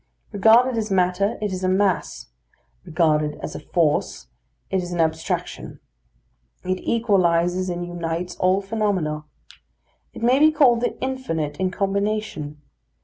Regarded as matter, it is a mass; regarded as a force, it is an abstraction. It equalises and unites all phenomena. It may be called the infinite in combination.